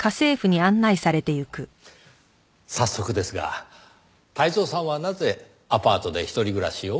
早速ですが泰造さんはなぜアパートで独り暮らしを？